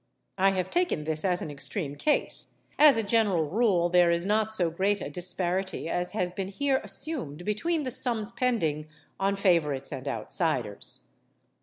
I have taken this as an extreme case; as a general rule, there is not so great a disparity as has been here assumed between the sums pending on favourites and outsiders.